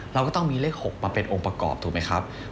เราก็ต้องมีเลข๖มาเป็นองค์ประกอบถูกไหมครับ